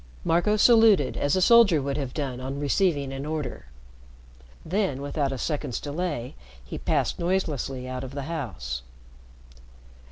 Marco saluted as a soldier would have done on receiving an order. Then, without a second's delay, he passed noiselessly out of the house.